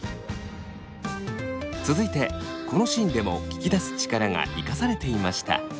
続いてこのシーンでも聞き出す力が生かされていました。